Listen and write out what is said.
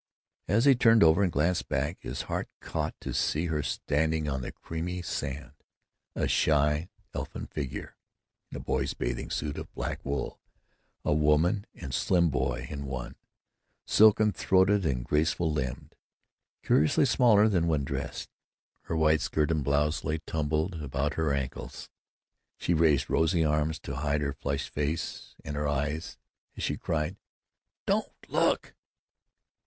As he turned over and glanced back, his heart caught to see her standing on the creamy sand, a shy, elfin figure in a boy's bathing suit of black wool, woman and slim boy in one, silken throated and graceful limbed, curiously smaller than when dressed. Her white skirt and blouse lay tumbled about her ankles. She raised rosy arms to hide her flushed face and her eyes, as she cried: "Don't look!"